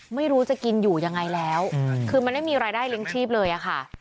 ไม่รู้จะกินอยู่ยังไงแล้วคือมันไม่มีรายได้เลี้ยงชีพเลยอะค่ะ